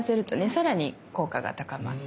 さらに効果が高まって。